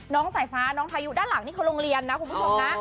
สายฟ้าน้องพายุด้านหลังนี่คือโรงเรียนนะคุณผู้ชมนะ